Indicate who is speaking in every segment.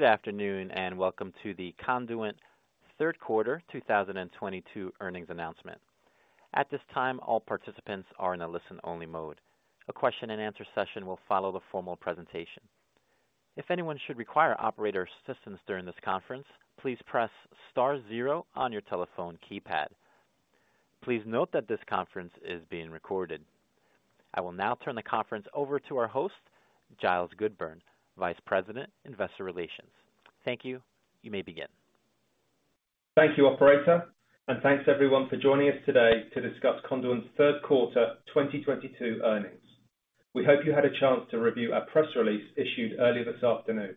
Speaker 1: Good afternoon, and welcome to the Conduent third quarter 2022 earnings announcement. At this time, all participants are in a listen-only mode. A question and answer session will follow the formal presentation. If anyone should require operator assistance during this conference, please press star zero on your telephone keypad. Please note that this conference is being recorded. I will now turn the conference over to our host, Giles Goodburn, Vice President, Investor Relations. Thank you. You may begin.
Speaker 2: Thank you, operator, and thanks everyone for joining us today to discuss Conduent's third quarter 2022 earnings. We hope you had a chance to review our press release issued earlier this afternoon.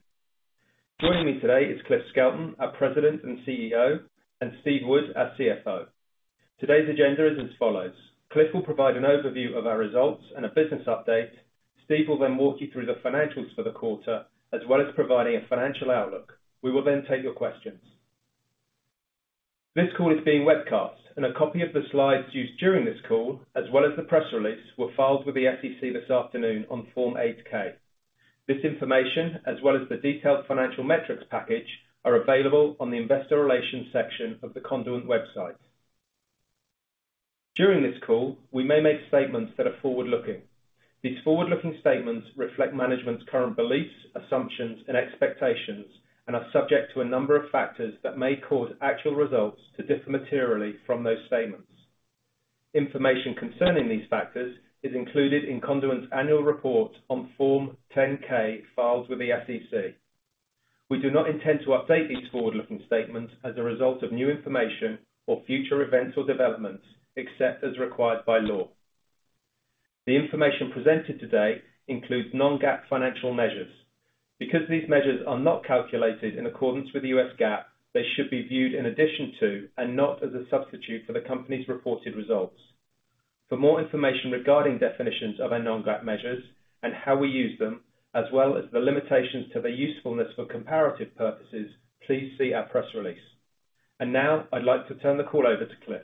Speaker 2: Joining me today is Cliff Skelton, our President and CEO, and Steve Wood, our CFO. Today's agenda is as follows. Cliff will provide an overview of our results and a business update. Steve will then walk you through the financials for the quarter, as well as providing a financial outlook. We will then take your questions. This call is being webcast, and a copy of the slides used during this call, as well as the press release, were filed with the SEC this afternoon on Form 8-K. This information, as well as the detailed financial metrics package, are available on the investor relations section of the Conduent website. During this call, we may make statements that are forward-looking. These forward-looking statements reflect management's current beliefs, assumptions, and expectations and are subject to a number of factors that may cause actual results to differ materially from those statements. Information concerning these factors is included in Conduent's annual report on Form 10-K filed with the SEC. We do not intend to update these forward-looking statements as a result of new information or future events or developments, except as required by law. The information presented today includes non-GAAP financial measures. Because these measures are not calculated in accordance with U.S. GAAP, they should be viewed in addition to and not as a substitute for the company's reported results. For more information regarding definitions of our non-GAAP measures and how we use them, as well as the limitations to their usefulness for comparative purposes, please see our press release. Now, I'd like to turn the call over to Cliff.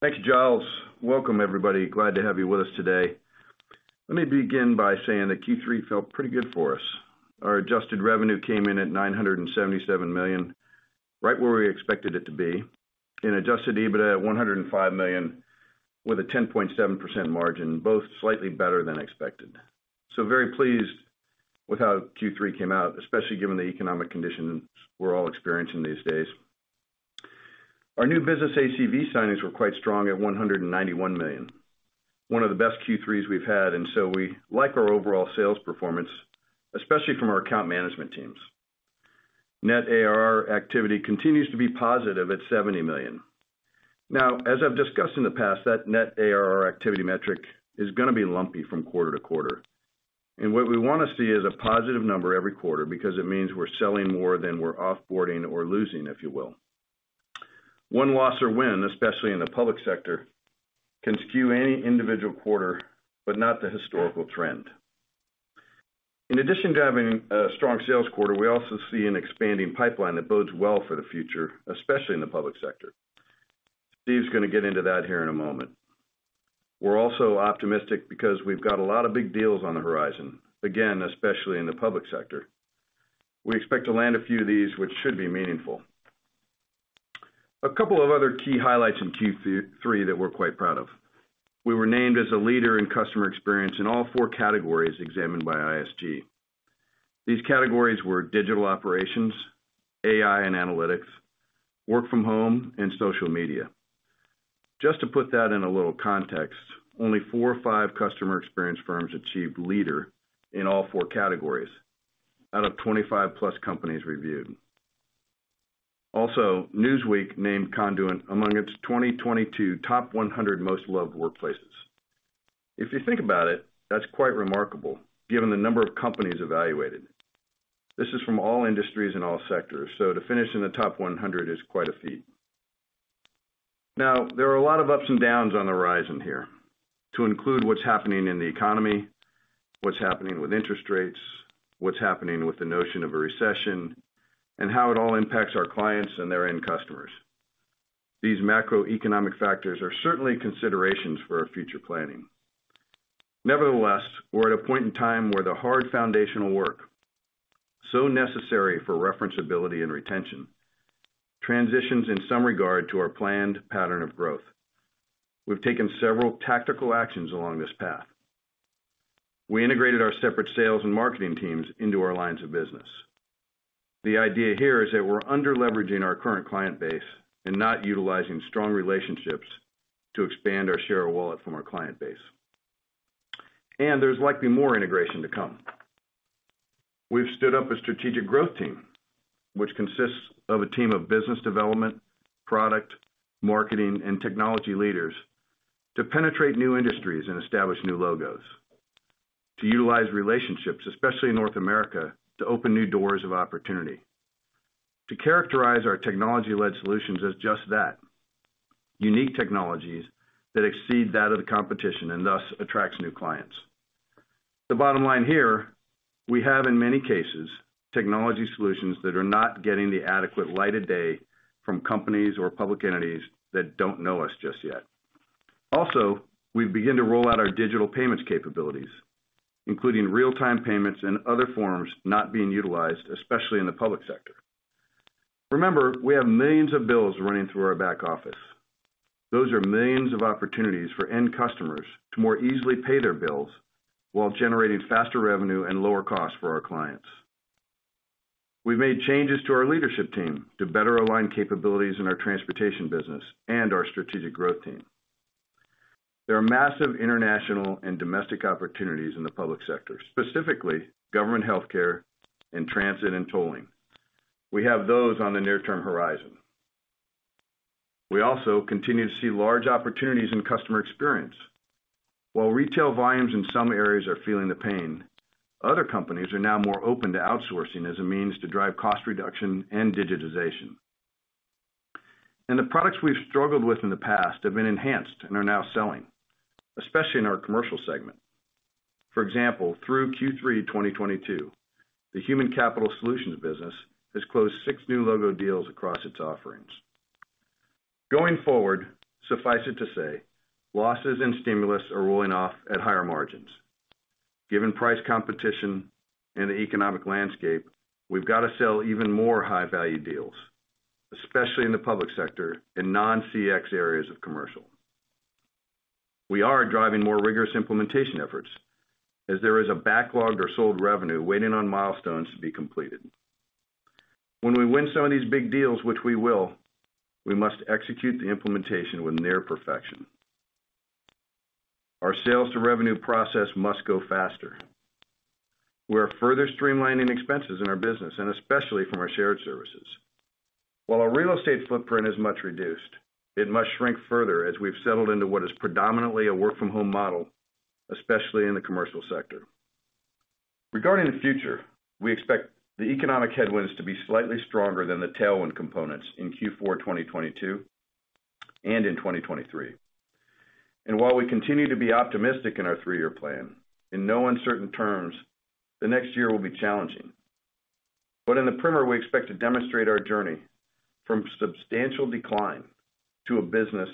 Speaker 3: Thank you, Giles. Welcome everybody. Glad to have you with us today. Let me begin by saying that Q3 felt pretty good for us. Our adjusted revenue came in at $977 million, right where we expected it to be, and adjusted EBITDA at $105 million with a 10.7% margin, both slightly better than expected. Very pleased with how Q3 came out, especially given the economic conditions we're all experiencing these days. Our new business ACV signings were quite strong at $191 million. One of the best Q3s we've had, and so we like our overall sales performance, especially from our account management teams. Net ARR activity continues to be positive at $70 million. Now, as I've discussed in the past, that net ARR activity metric is gonna be lumpy from quarter to quarter. What we wanna see is a positive number every quarter because it means we're selling more than we're off-boarding or losing, if you will. One loss or win, especially in the public sector, can skew any individual quarter, but not the historical trend. In addition to having a strong sales quarter, we also see an expanding pipeline that bodes well for the future, especially in the public sector. Steve's gonna get into that here in a moment. We're also optimistic because we've got a lot of big deals on the horizon, again, especially in the public sector. We expect to land a few of these, which should be meaningful. A couple of other key highlights in Q3 that we're quite proud of. We were named as a Leader in Customer Experience in all four categories examined by ISG. These categories were digital operations, AI and analytics, work from home, and social media. Just to put that in a little context, only four or five customer experience firms achieved Leader in all four categories out of 25+ companies reviewed. Also, Newsweek named Conduent among its 2022 Top 100 Most Loved Workplaces. If you think about it, that's quite remarkable given the number of companies evaluated. This is from all industries and all sectors, so to finish in the top 100 is quite a feat. Now, there are a lot of ups and downs on the horizon here, to include what's happening in the economy, what's happening with interest rates, what's happening with the notion of a recession, and how it all impacts our clients and their end customers. These macroeconomic factors are certainly considerations for our future planning. Nevertheless, we're at a point in time where the hard foundational work, so necessary for referenceability and retention, transitions in some regard to our planned pattern of growth. We've taken several tactical actions along this path. We integrated our separate sales and marketing teams into our lines of business. The idea here is that we're under-leveraging our current client base and not utilizing strong relationships to expand our share of wallet from our client base. There's likely more integration to come. We've stood up a strategic growth team, which consists of a team of business development, product, marketing, and technology leaders to penetrate new industries and establish new logos, to utilize relationships, especially in North America, to open new doors of opportunity, to characterize our technology-led solutions as just that, unique technologies that exceed that of the competition and thus attracts new clients. The bottom line here, we have, in many cases, technology solutions that are not getting the adequate light of day from companies or public entities that don't know us just yet. Also, we've begun to roll out our digital payments capabilities, including real-time payments and other forms not being utilized, especially in the public sector. Remember, we have millions of bills running through our back office. Those are millions of opportunities for end customers to more easily pay their bills while generating faster revenue and lower costs for our clients. We've made changes to our leadership team to better align capabilities in our transportation business and our strategic growth team. There are massive international and domestic opportunities in the public sector, specifically government healthcare and transit and tolling. We have those on the near-term horizon. We also continue to see large opportunities in customer experience. While retail volumes in some areas are feeling the pain, other companies are now more open to outsourcing as a means to drive cost reduction and digitization. The products we've struggled with in the past have been enhanced and are now selling, especially in our commercial segment. For example, through Q3 2022, the Human Capital Solutions business has closed six new logo deals across its offerings. Going forward, suffice it to say, losses and stimulus are rolling off at higher margins. Given price competition and the economic landscape, we've got to sell even more high-value deals, especially in the public sector and non-CX areas of commercial. We are driving more rigorous implementation efforts as there is a backlog of sold revenue waiting on milestones to be completed. When we win some of these big deals, which we will, we must execute the implementation with near perfection. Our sales to revenue process must go faster. We are further streamlining expenses in our business, and especially from our shared services. While our real estate footprint is much reduced, it must shrink further as we've settled into what is predominantly a work-from-home model, especially in the commercial sector. Regarding the future, we expect the economic headwinds to be slightly stronger than the tailwinds in Q4 2022 and in 2023. While we continue to be optimistic in our three-year plan, in no uncertain terms, the next year will be challenging. In the near term, we expect to demonstrate our journey from substantial decline to a business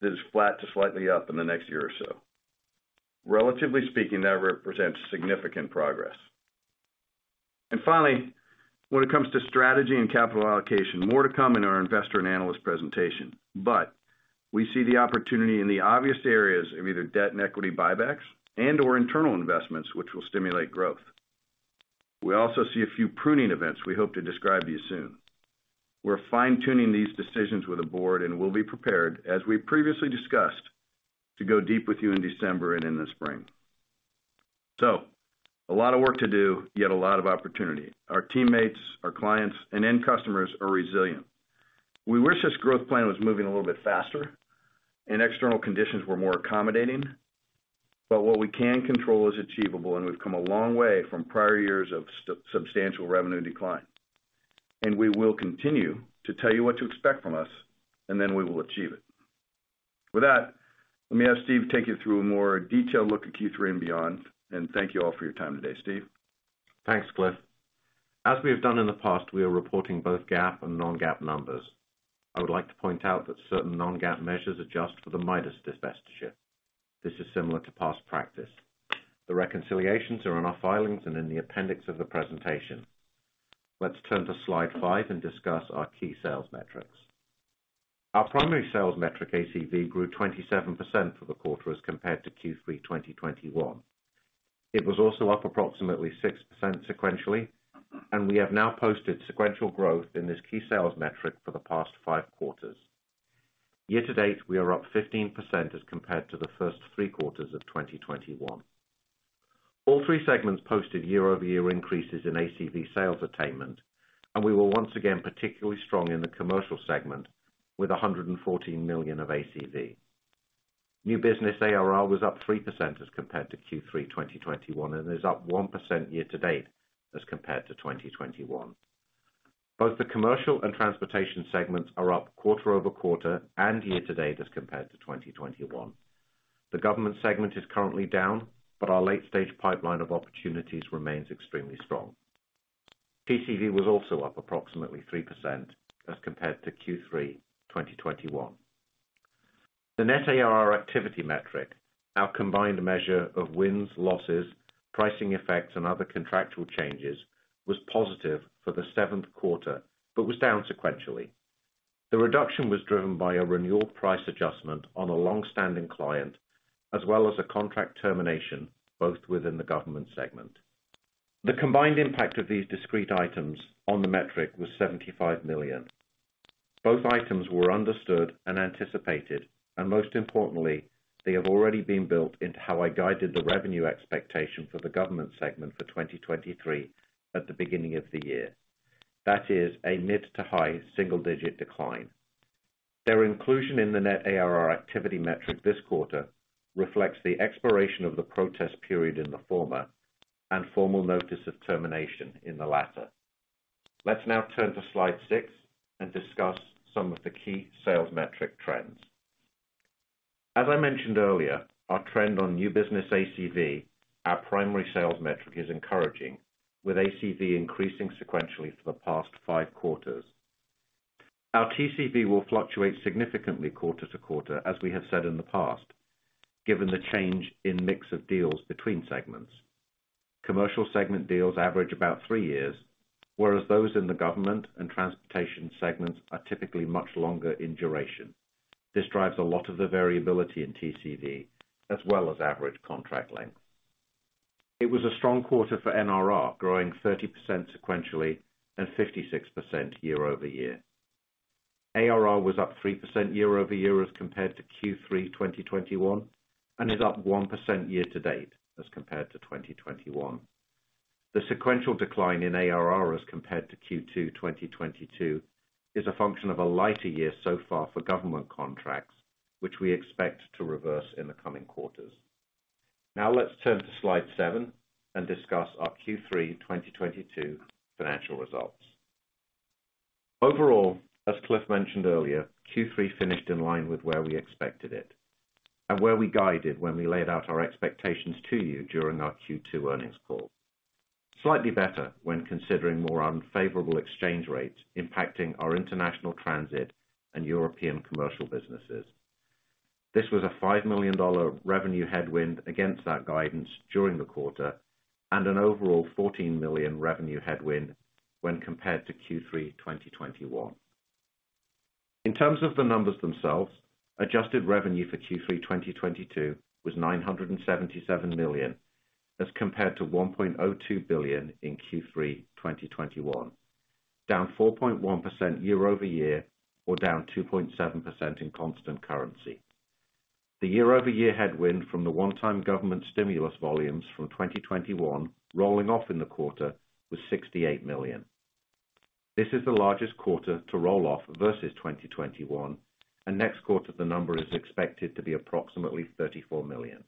Speaker 3: that is flat to slightly up in the next year or so. Relatively speaking, that represents significant progress. Finally, when it comes to strategy and capital allocation, more to come in our investor and analyst presentation. We see the opportunity in the obvious areas of either debt and equity buybacks and/or internal investments which will stimulate growth. We also see a few pruning events we hope to describe to you soon. We're fine-tuning these decisions with the board, and we'll be prepared, as we previously discussed, to go deep with you in December and in the spring. A lot of work to do, yet a lot of opportunity. Our teammates, our clients, and end customers are resilient. We wish this growth plan was moving a little bit faster and external conditions were more accommodating. What we can control is achievable, and we've come a long way from prior years of substantial revenue decline. We will continue to tell you what to expect from us, and then we will achieve it. With that, let me have Steve take you through a more detailed look at Q3 and beyond, and thank you all for your time today. Steve?
Speaker 4: Thanks, Cliff. As we have done in the past, we are reporting both GAAP and non-GAAP numbers. I would like to point out that certain non-GAAP measures adjust for the Midas divestiture. This is similar to past practice. The reconciliations are in our filings and in the appendix of the presentation. Let's turn to slide five and discuss our key sales metrics. Our primary sales metric, ACV, grew 27% for the quarter as compared to Q3 2021. It was also up approximately 6% sequentially, and we have now posted sequential growth in this key sales metric for the past five quarters. Year to date, we are up 15% as compared to the first three quarters of 2021. All 3 segments posted year-over-year increases in ACV sales attainment, and we were once again particularly strong in the commercial segment with $114 million of ACV. New business ARR was up 3% as compared to Q3 2021 and is up 1% year to date as compared to 2021. Both the commercial and transportation segments are up quarter-over-quarter and year to date as compared to 2021. The government segment is currently down, but our late-stage pipeline of opportunities remains extremely strong. TCV was also up approximately 3% as compared to Q3 2021. The net ARR activity metric, our combined measure of wins, losses, pricing effects, and other contractual changes, was positive for the seventh quarter but was down sequentially. The reduction was driven by a renewal price adjustment on a long-standing client, as well as a contract termination, both within the government segment. The combined impact of these discrete items on the metric was $75 million. Both items were understood and anticipated, and most importantly, they have already been built into how I guided the revenue expectation for the government segment for 2023 at the beginning of the year. That is a mid to high single-digit decline. Their inclusion in the net ARR activity metric this quarter reflects the expiration of the protest period in the former and formal notice of termination in the latter. Let's now turn to slide six and discuss some of the key sales metric trends. As I mentioned earlier, our trend on new business ACV, our primary sales metric, is encouraging, with ACV increasing sequentially for the past five quarters. Our TCV will fluctuate significantly quarter-to-quarter, as we have said in the past, given the change in mix of deals between segments. Commercial segment deals average about 3 years, whereas those in the government and transportation segments are typically much longer in duration. This drives a lot of the variability in TCV as well as average contract length. It was a strong quarter for NRR, growing 30% sequentially and 56% year-over-year. ARR was up 3% year-over-year as compared to Q3 2021, and is up 1% year-to-date as compared to 2021. The sequential decline in ARR as compared to Q2 2022 is a function of a lighter year so far for government contracts, which we expect to reverse in the coming quarters. Now let's turn to slide seven and discuss our Q3 2022 financial results. Overall, as Cliff mentioned earlier, Q3 finished in line with where we expected it and where we guided when we laid out our expectations to you during our Q2 earnings call. Slightly better when considering more unfavorable exchange rates impacting our international transit and European commercial businesses. This was a $5 million revenue headwind against that guidance during the quarter, and an overall $14 million revenue headwind when compared to Q3 2021. In terms of the numbers themselves, adjusted revenue for Q3 2022 was $977 million, as compared to $1.02 billion in Q3 2021. Down 4.1% year-over-year or down 2.7% in constant currency. The year-over-year headwind from the one-time government stimulus volumes from 2021 rolling off in the quarter was $68 million. This is the largest quarter to roll off versus 2021, and next quarter the number is expected to be approximately $34 million.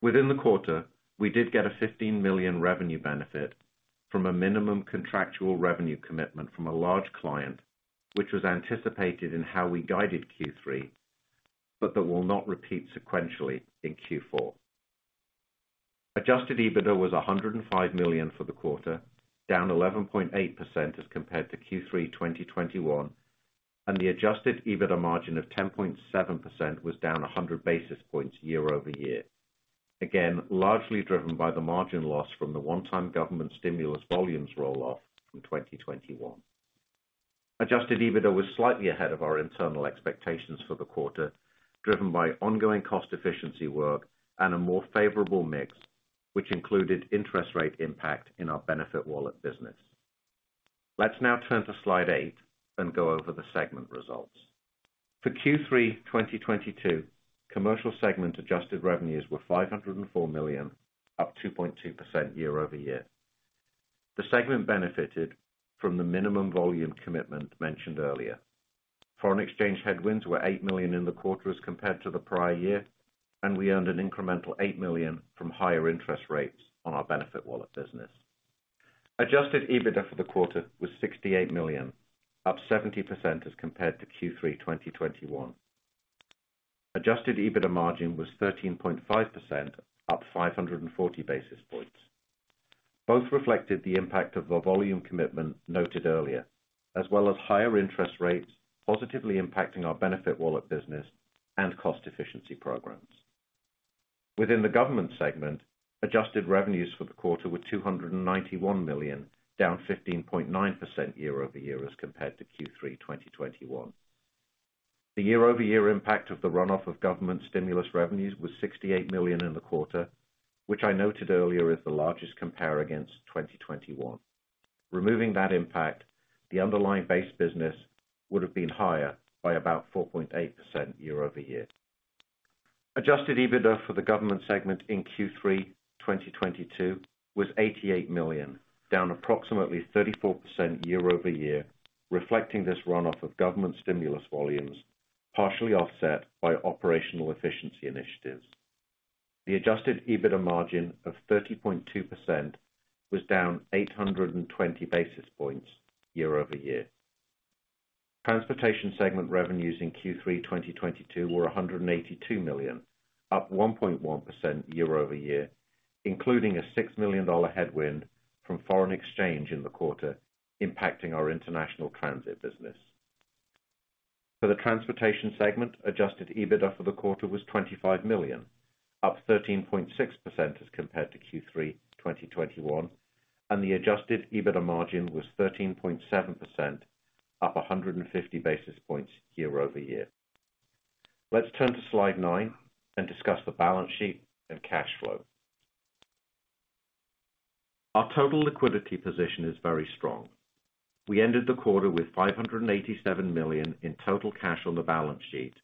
Speaker 4: Within the quarter, we did get a $15 million revenue benefit from a minimum contractual revenue commitment from a large client, which was anticipated in how we guided Q3, but that will not repeat sequentially in Q4. Adjusted EBITDA was $105 million for the quarter, down 11.8% as compared to Q3 2021, and the adjusted EBITDA margin of 10.7% was down 100 basis points year-over-year. Again, largely driven by the margin loss from the one-time government stimulus volumes roll off from 2021. Adjusted EBITDA was slightly ahead of our internal expectations for the quarter, driven by ongoing cost efficiency work and a more favorable mix, which included interest rate impact in our BenefitWallet business. Let's now turn to slide eight and go over the segment results. For Q3 2022, commercial segment adjusted revenues were $504 million, up 2.2% year-over-year. The segment benefited from the minimum volume commitment mentioned earlier. Foreign exchange headwinds were $8 million in the quarter as compared to the prior year, and we earned an incremental $8 million from higher interest rates on our BenefitWallet business. Adjusted EBITDA for the quarter was $68 million, up 70% as compared to Q3 2021. Adjusted EBITDA margin was 13.5%, up 540 basis points. Both reflected the impact of the volume commitment noted earlier, as well as higher interest rates positively impacting our BenefitWallet business and cost efficiency programs. Within the government segment, adjusted revenues for the quarter were $291 million, down 15.9% year-over-year as compared to Q3 2021. The year-over-year impact of the runoff of government stimulus revenues was $68 million in the quarter, which I noted earlier is the largest comparison against 2021. Removing that impact, the underlying base business would have been higher by about 4.8% year-over-year. Adjusted EBITDA for the government segment in Q3 2022 was $88 million, down approximately 34% year-over-year, reflecting this runoff of government stimulus volumes, partially offset by operational efficiency initiatives. The adjusted EBITDA margin of 30.2% was down 820 basis points year-over-year. Transportation segment revenues in Q3 2022 were $182 million, up 1.1% year-over-year, including a $6 million headwind from foreign exchange in the quarter impacting our international transit business. For the transportation segment, adjusted EBITDA for the quarter was $25 million, up 13.6% as compared to Q3 2021, and the adjusted EBITDA margin was 13.7%, up 150 basis points year-over-year. Let's turn to slide nine and discuss the balance sheet and cash flow. Our total liquidity position is very strong. We ended the quarter with $587 million in total cash on the balance sheet,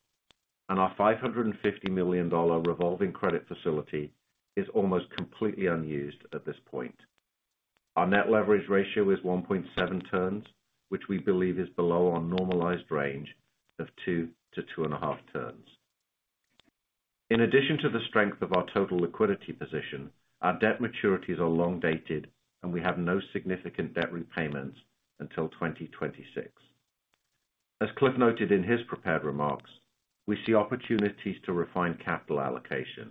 Speaker 4: and our $550 million revolving credit facility is almost completely unused at this point. Our net leverage ratio is 1.7 turns, which we believe is below our normalized range of 2-2.5 turns. In addition to the strength of our total liquidity position, our debt maturities are long dated and we have no significant debt repayments until 2026. As Cliff noted in his prepared remarks, we see opportunities to refine capital allocation.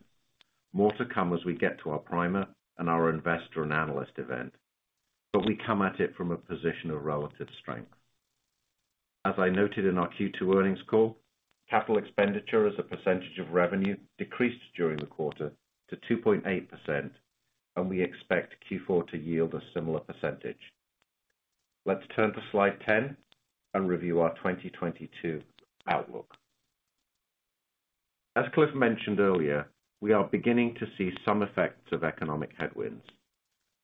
Speaker 4: More to come as we get to our primer and our investor and analyst event, but we come at it from a position of relative strength. As I noted in our Q2 earnings call, capital expenditure as a percentage of revenue decreased during the quarter to 2.8%, and we expect Q4 to yield a similar percentage. Let's turn to slide 10 and review our 2022 outlook. As Cliff mentioned earlier, we are beginning to see some effects of economic headwinds.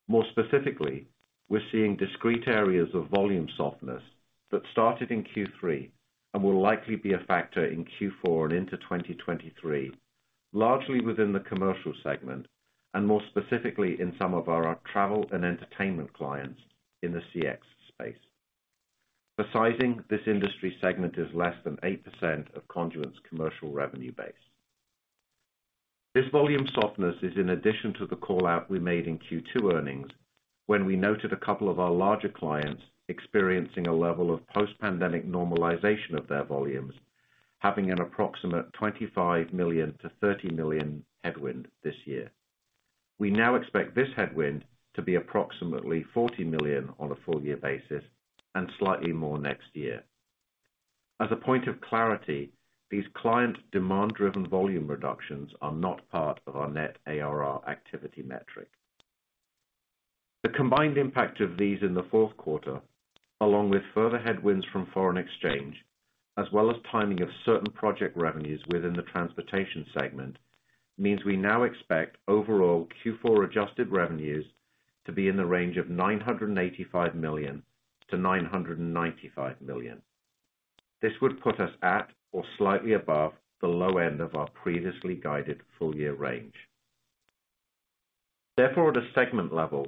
Speaker 4: More specifically, we're seeing discrete areas of volume softness that started in Q3 and will likely be a factor in Q4 and into 2023, largely within the commercial segment and more specifically in some of our travel and entertainment clients in the CX space. For sizing, this industry segment is less than 8% of Conduent's commercial revenue base. This volume softness is in addition to the call-out we made in Q2 earnings when we noted a couple of our larger clients experiencing a level of post-pandemic normalization of their volumes, having an approximate $25 million-$30 million headwind this year. We now expect this headwind to be approximately $40 million on a full year basis and slightly more next year. As a point of clarity, these client demand-driven volume reductions are not part of our net ARR activity metric. The combined impact of these in the fourth quarter, along with further headwinds from foreign exchange, as well as timing of certain project revenues within the transportation segment, means we now expect overall Q4 adjusted revenues to be in the range of $985 million-$995 million. This would put us at or slightly above the low end of our previously guided full-year range. Therefore, at a segment level,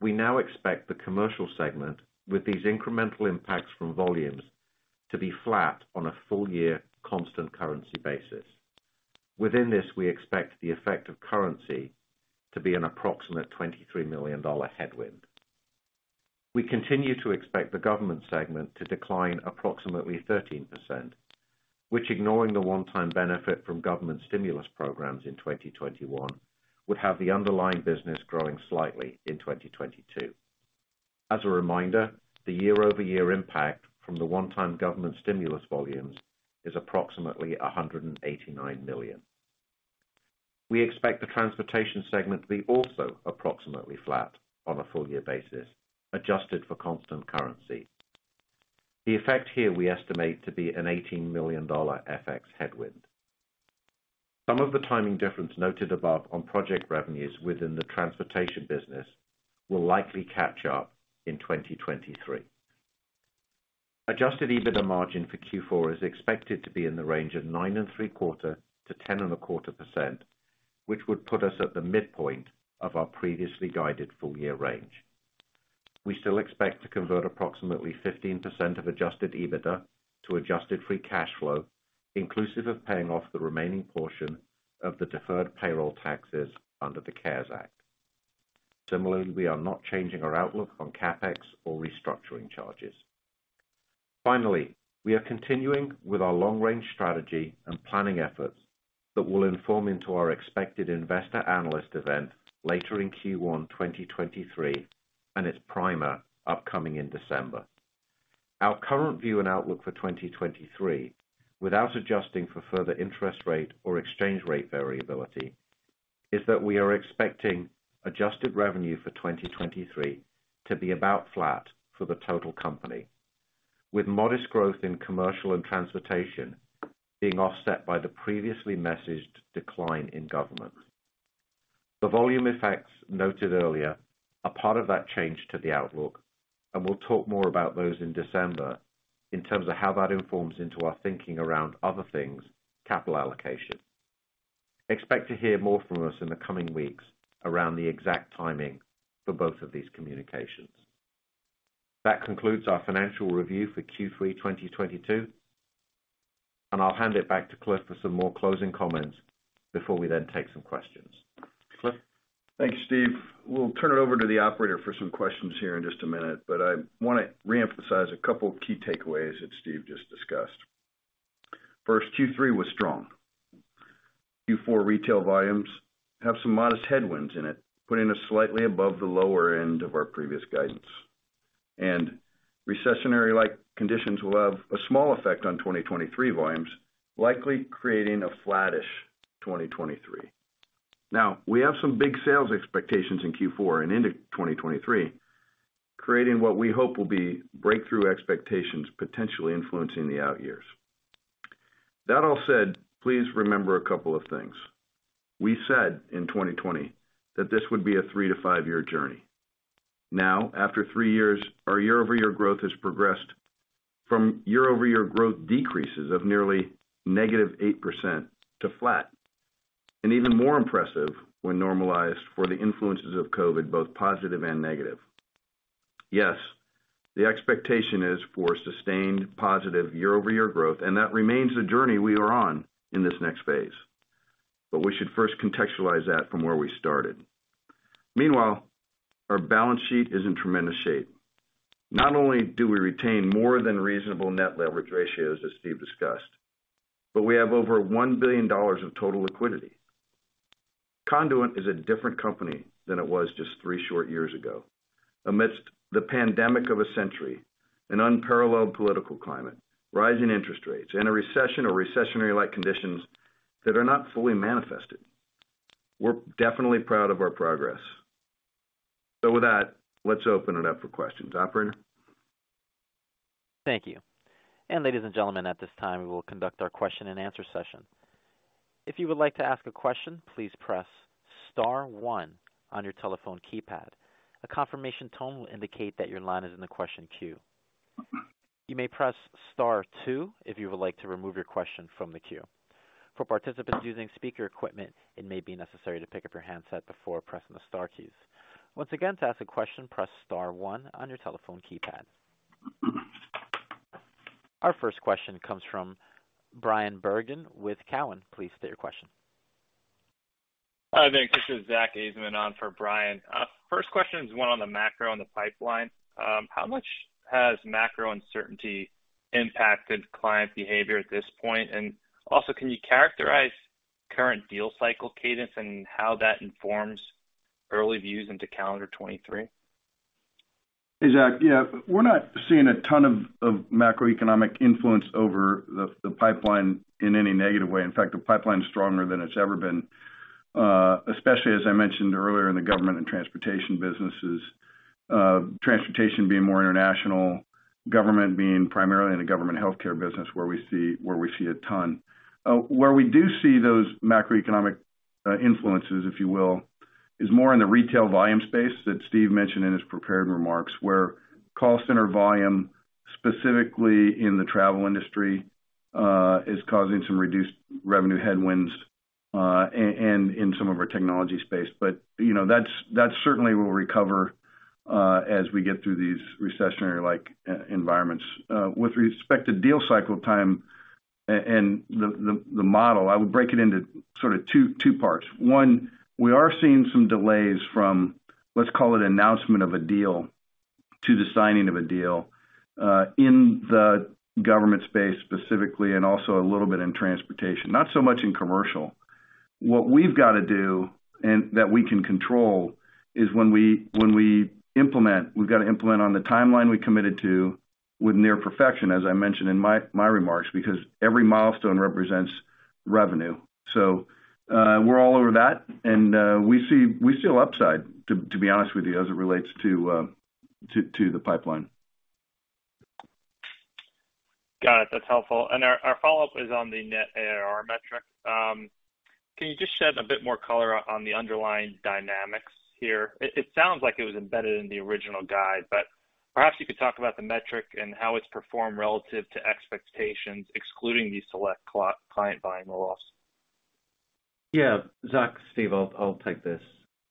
Speaker 4: we now expect the commercial segment with these incremental impacts from volumes to be flat on a full-year constant currency basis. Within this, we expect the effect of currency to be an approximate $23 million headwind. We continue to expect the government segment to decline approximately 13%, which, ignoring the one-time benefit from government stimulus programs in 2021, would have the underlying business growing slightly in 2022. As a reminder, the year-over-year impact from the one-time government stimulus volumes is approximately $189 million. We expect the transportation segment to be also approximately flat on a full-year basis, adjusted for constant currency. The effect here we estimate to be an $18 million FX headwind. Some of the timing difference noted above on project revenues within the transportation business will likely catch up in 2023. Adjusted EBITDA margin for Q4 is expected to be in the range of 9.75%-10.25%, which would put us at the midpoint of our previously guided full year range. We still expect to convert approximately 15% of adjusted EBITDA to adjusted free cash flow, inclusive of paying off the remaining portion of the deferred payroll taxes under the CARES Act. Similarly, we are not changing our outlook on CapEx or restructuring charges. Finally, we are continuing with our long-range strategy and planning efforts that will inform into our expected investor analyst event later in Q1 2023 and its primer upcoming in December. Our current view and outlook for 2023, without adjusting for further interest rate or exchange rate variability, is that we are expecting adjusted revenue for 2023 to be about flat for the total company, with modest growth in commercial and transportation being offset by the previously messaged decline in government. The volume effects noted earlier are part of that change to the outlook, and we'll talk more about those in December in terms of how that informs into our thinking around other things, capital allocation. Expect to hear more from us in the coming weeks around the exact timing for both of these communications. That concludes our financial review for Q3 2022, and I'll hand it back to Cliff for some more closing comments before we then take some questions. Cliff?
Speaker 3: Thanks, Steve. We'll turn it over to the operator for some questions here in just a minute, but I wanna reemphasize a couple key takeaways that Steve just discussed. First, Q3 was strong. Q4 retail volumes have some modest headwinds in it, putting us slightly above the lower end of our previous guidance. Recessionary-like conditions will have a small effect on 2023 volumes, likely creating a flattish 2023. Now we have some big sales expectations in Q4 and into 2023, creating what we hope will be breakthrough expectations, potentially influencing the out years. That all said, please remember a couple of things. We said in 2020 that this would be a three- to five-year journey. Now, after three years, our year-over-year growth has progressed from year-over-year growth decreases of nearly negative 8% to flat, and even more impressive when normalized for the influences of COVID, both positive and negative. Yes, the expectation is for sustained positive year-over-year growth, and that remains the journey we are on in this next phase. We should first contextualize that from where we started. Meanwhile, our balance sheet is in tremendous shape. Not only do we retain more than reasonable net leverage ratios, as Steve discussed, but we have over $1 billion of total liquidity. Conduent is a different company than it was just three short years ago. Amidst the pandemic of a century, an unparalleled political climate, rising interest rates, and a recession or recessionary-like conditions that are not fully manifested, we're definitely proud of our progress. With that, let's open it up for questions. Operator?
Speaker 1: Thank you. Ladies and gentlemen, at this time we will conduct our question and answer session. If you would like to ask a question, please press star one on your telephone keypad. A confirmation tone will indicate that your line is in the question queue. You may press star two if you would like to remove your question from the queue. For participants using speaker equipment, it may be necessary to pick up your handset before pressing the star keys. Once again, to ask a question, press star one on your telephone keypad. Our first question comes from Brian Bergen with Cowen. Please state your question.
Speaker 5: Hi there, this is Zack Ajzenman on for Brian. First question is one on the macro and the pipeline. How much has macro uncertainty impacted client behavior at this point? Can you characterize current deal cycle cadence and how that informs early views into calendar 2023?
Speaker 3: Hey, Zack. Yeah, we're not seeing a ton of macroeconomic influence over the pipeline in any negative way. In fact, the pipeline's stronger than it's ever been, especially as I mentioned earlier in the government and transportation businesses. Transportation being more international, government being primarily in the government healthcare business, where we see a ton. Where we do see those macroeconomic influences, if you will, is more in the retail volume space that Steve mentioned in his prepared remarks, where call center volume, specifically in the travel industry, is causing some reduced revenue headwinds, and in some of our technology space. You know, that certainly will recover as we get through these recessionary-like environments. With respect to deal cycle time and the model, I would break it into sort of two parts. One, we are seeing some delays from, let's call it announcement of a deal to the signing of a deal, in the government space specifically, and also a little bit in transportation, not so much in commercial. What we've gotta do and that we can control is when we implement, we've gotta implement on the timeline we committed to with near perfection, as I mentioned in my remarks, because every milestone represents revenue. We're all over that, and we see upside, to be honest with you, as it relates to the pipeline.
Speaker 5: Got it. That's helpful. Our follow-up is on the net ARR metric. Can you just shed a bit more color on the underlying dynamics here? It sounds like it was embedded in the original guide, but perhaps you could talk about the metric and how it's performed relative to expectations, excluding these select client volume loss.
Speaker 4: Yeah. Zach, Steve, I'll take this.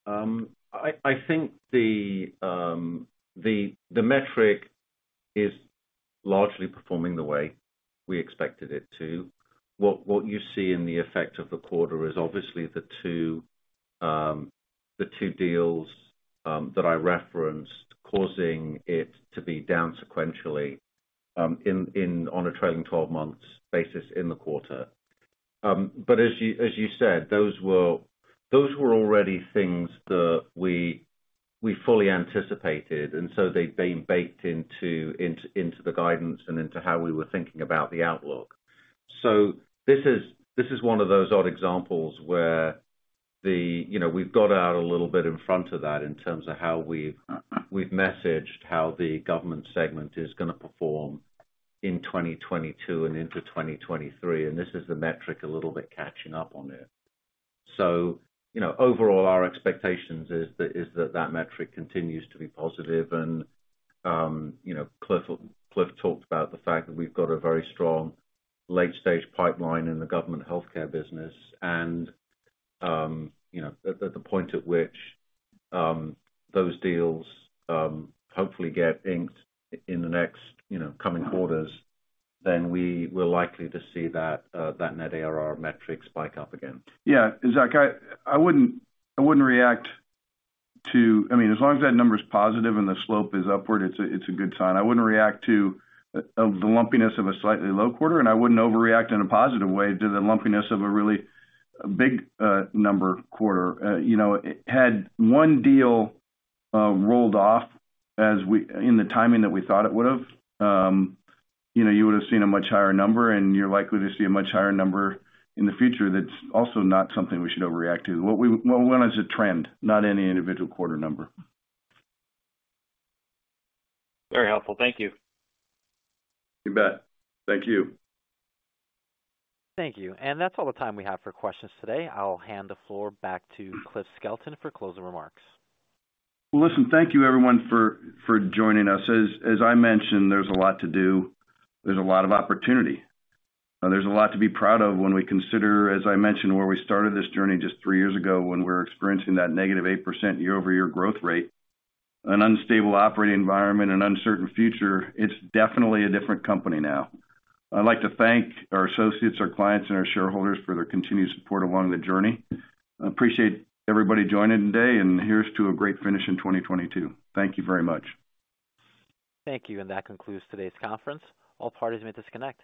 Speaker 4: I think the metric is largely performing the way we expected it to. What you see in the effect of the quarter is obviously the two deals that I referenced causing it to be down sequentially on a trailing twelve months basis in the quarter. As you said, those were already things that we fully anticipated, and so they'd been baked into the guidance and into how we were thinking about the outlook. This is one of those odd examples where the, you know, we've got out a little bit in front of that in terms of how we've messaged how the government segment is gonna perform in 2022 and into 2023, and this is the metric a little bit catching up on it. You know, overall, our expectations is that that metric continues to be positive. You know, Cliff talked about the fact that we've got a very strong late-stage pipeline in the government healthcare business. You know, at the point at which those deals hopefully get inked in the next coming quarters, then we're likely to see that net ARR metric spike up again.
Speaker 3: Yeah. Zack, I wouldn't react to, I mean, as long as that number's positive and the slope is upward, it's a good sign. I wouldn't react to the lumpiness of a slightly low quarter, and I wouldn't overreact in a positive way to the lumpiness of a really big number quarter. You know, had one deal rolled off in the timing that we thought it would've, you know, you would've seen a much higher number, and you're likely to see a much higher number in the future. That's also not something we should overreact to. What we want is a trend, not any individual quarter number.
Speaker 5: Very helpful. Thank you.
Speaker 3: You bet. Thank you.
Speaker 1: Thank you. That's all the time we have for questions today. I'll hand the floor back to Cliff Skelton for closing remarks.
Speaker 3: Well, listen, thank you, everyone, for joining us. As I mentioned, there's a lot to do. There's a lot of opportunity. There's a lot to be proud of when we consider, as I mentioned, where we started this journey just three years ago when we were experiencing that negative 8% year-over-year growth rate, an unstable operating environment, an uncertain future. It's definitely a different company now. I'd like to thank our associates, our clients, and our shareholders for their continued support along the journey. I appreciate everybody joining today, and here's to a great finish in 2022. Thank you very much.
Speaker 1: Thank you. That concludes today's conference. All parties may disconnect.